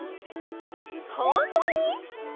ほんとに？